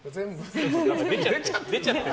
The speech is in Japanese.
出ちゃってる。